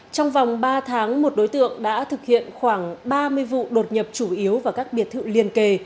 trong vòng ba tháng một đối tượng đã thực hiện khoảng ba mươi vụ đột nhập chủ yếu vào các biệt thự liền kề